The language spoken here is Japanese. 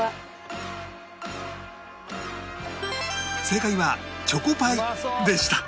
正解はチョコパイでした